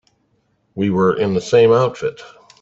We were in the same outfit.